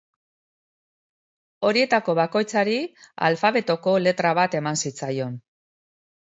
Horietako bakoitzari alfabetoko letra bat eman zitzaion.